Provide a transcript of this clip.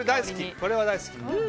これは大好き。